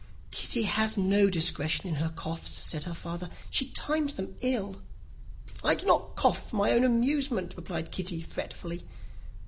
"Kitty has no discretion in her coughs," said her father; "she times them ill." "I do not cough for my own amusement," replied Kitty, fretfully.